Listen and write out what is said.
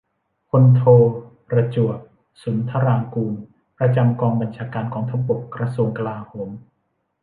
พลโท ประจวบ สุนทรางกูร ประจำกองบัญชาการกองทัพบก กระทรวงกลาโหม